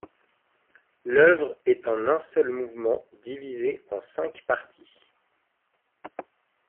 L'œuvre est en un seul mouvement divisé en cinq parties.